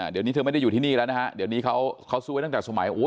เดี๋ยวนี้เธอไม่ได้อยู่ที่นี่แล้วนะฮะเดี๋ยวนี้เขาสู้ไว้ตั้งแต่สมัย